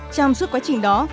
trong suốt quá trình đó